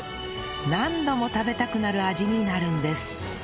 何度も食べたくなる味になるんです